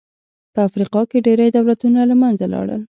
په افریقا کې ډېری دولتونه له منځه لاړل.